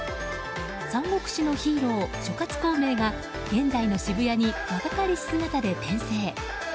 三国志のヒーロー、諸葛孔明が現代の渋谷に若かりし姿で転生。